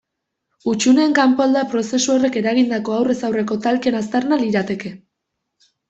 Hutsuneen kanpoaldea prozesu horrek eragindako aurrez aurreko talken aztarna lirateke.